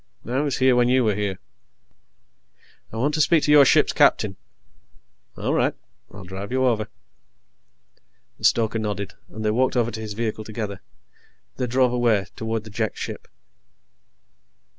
"I was here when you were." "I want to speak to your ship's captain." "All right. I'll drive you over." The stoker nodded, and they walked over to his vehicle together. They drove away, toward the Jek ship.